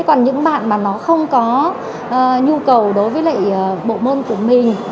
còn những bạn mà nó không có nhu cầu đối với lại bộ môn của mình